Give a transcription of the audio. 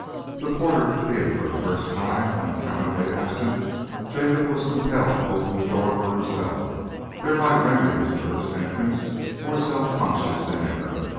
The porter, being for the first time unaccountably absent, Jacob was compelled to open the door for himself, thereby rendering his nervous entrance more self conscious than ever.